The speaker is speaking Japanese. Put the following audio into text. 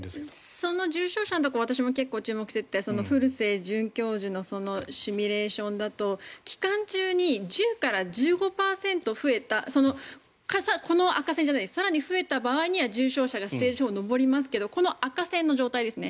その重症者のところを私も注目していて古瀬准教授のシミュレーションだと期間中に１０から１５％増えた更に増えた場合には重症者がステージ４に上りますけどこの赤線の状態ですね。